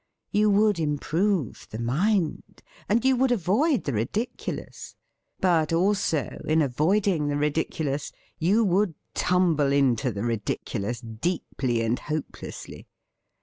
You would im prove the mind. And you would avoid the ridiculous. But also, in avoiding the ridiculous, you would tumble into the ridiculous, deeply and hopelessly!